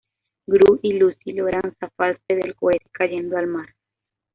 Gru y Lucy logran zafarse del cohete, cayendo al mar.